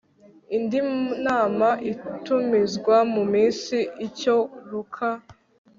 indi nama itumizwa mu minsi icyoluka